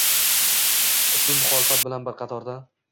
Ushbu muxolifat bilan bir qatorda